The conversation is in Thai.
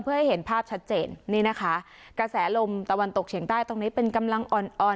เพื่อให้เห็นภาพชัดเจนนี่นะคะกระแสลมตะวันตกเฉียงใต้ตรงนี้เป็นกำลังอ่อนอ่อน